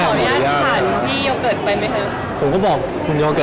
ขออย่างผ่านพี่โยเกิร์ตไปไหมคะ